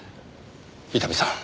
伊丹さん